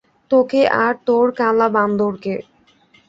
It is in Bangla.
তোকে আর তোর কালা বান্দর কে!